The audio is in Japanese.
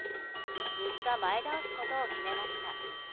３日前倒すことを決めました。